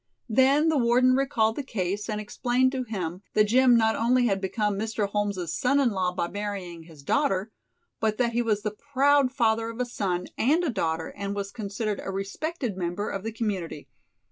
Then the warden recalled the case and explained to him that Jim not only had become Mr. Holmes' son in law by marrying his daughter, but that he was the proud father of a son and a daughter and was considered a respected member of the community.